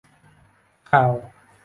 ข่าว !